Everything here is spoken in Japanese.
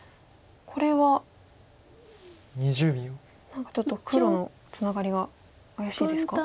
何かちょっと黒のツナガリが怪しいですか？